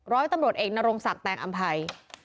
ร้อยตำรวจเอกนรงศักดิ์แตงอำภัย